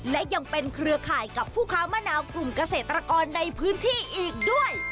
และยังเป็นเครือข่ายกับผู้ค้ามะนาวกลุ่มเกษตรกรในพื้นที่อีกด้วย